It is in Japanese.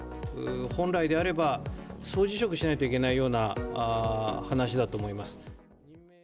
本来であれば、総辞職しないといけないような話だと思います。